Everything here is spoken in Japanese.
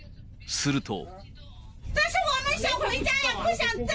すると。